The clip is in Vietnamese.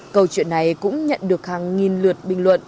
câu chuyện này cũng nhận được hàng nghìn lượt bình luận